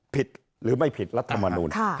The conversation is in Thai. ผิดหรือไม่ผิดรัฐมนูล